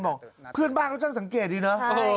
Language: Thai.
เพื่อนบ้านก็ช่างสังเกตดีนะ